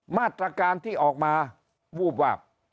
มาตรการที่ออกมาวูบวาบ